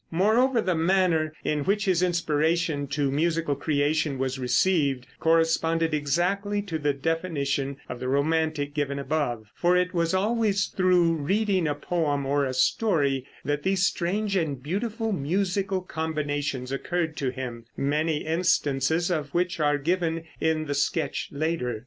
Moreover, the manner in which his inspiration to musical creation was received corresponded exactly to the definition of the romantic given above; for it was always through reading a poem or a story that these strange and beautiful musical combinations occurred to him, many instances of which are given in the sketch later.